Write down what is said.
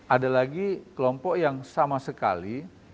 ada lagi kelompok yang sama sekali